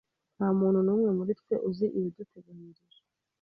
Nta n'umwe muri twe uzi ibiduteganyirije.